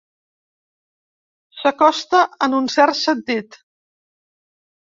S'acosta, en un cert sentit.